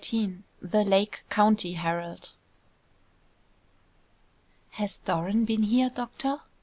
THE "LAKE COUNTY HERALD." "Has Doran been here, doctor?"